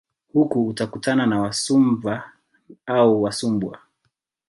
Huku utakutana na Wasumva au Wasumbwa